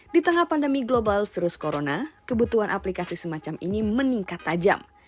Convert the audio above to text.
di tengah pandemi global virus corona kebutuhan aplikasi semacam ini meningkat tajam